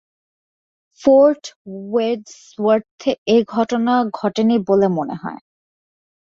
Fort ওয়েডসওয়ার্থে এ ঘটনা ঘটেনি বলে মনে হয়।